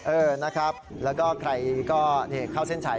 เออนะครับแล้วก็ใครก็เข้าเส้นชัย